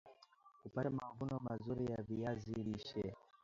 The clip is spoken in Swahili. Kupata mavuno mazuri ya viazi lishe